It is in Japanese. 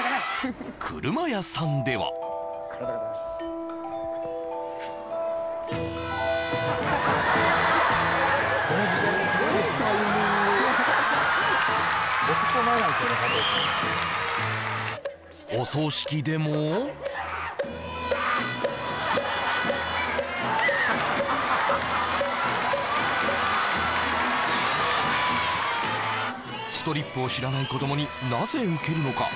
車屋さんではお葬式でもストリップを知らない子どもになぜウケるのか？